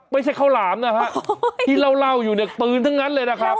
ไม่ใช่ข้าวหลามนะฮะที่เล่าอยู่เนี่ยปืนทั้งนั้นเลยนะครับ